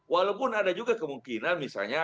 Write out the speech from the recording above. walaupun ada juga kemungkinan misalnya